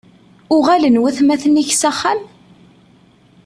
Uɣalen watmaten-ik s axxam?